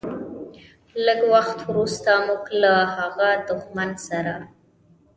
لږ وخت وروسته موږ له هغه دښمن سره.